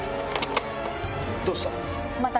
どうした？